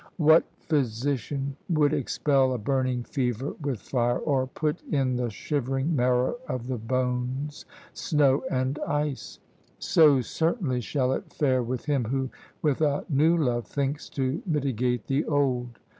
What physician would expel a burning fever with fire, or put in the shivering marrow of the bones snow and ice? So certainly shall it fare with him who, with a new love, thinks to mitigate the old.